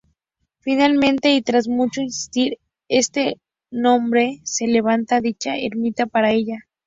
Finalmente y tras mucho insistir este hombre, se levantó dicha ermita para ella.